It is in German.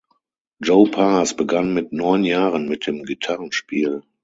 Joe Pass begann mit neun Jahren mit dem Gitarrenspiel.